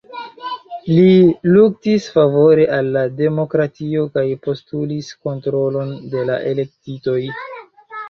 Li luktis favore al la demokratio kaj postulis kontrolon de la elektitoj.